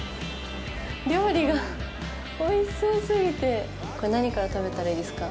料理がおいしそうすぎて何から食べたらいいですか？